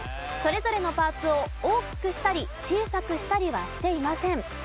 それぞれのパーツを大きくしたり小さくしたりはしていません。